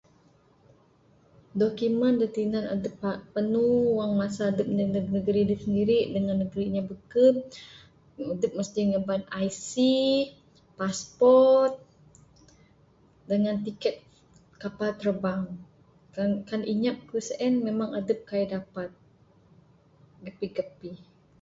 Dokumen da tinan adup pa..panu wang masa adup nuh nug negeri adup sendiri dangan negeri inya beken, adup mesti ngaban ic, passport, dangan tiket kapal terbang. Kan..kan anyap kayuh sien memang adup kaii dapat gapih-gapih.